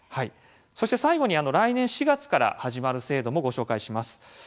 そして最後に、来年４月から始まる制度もご紹介します。